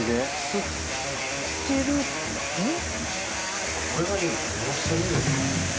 吸ってるん？